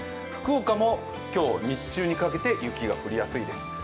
福岡も今日、日中にかけて雪が降りやすいです。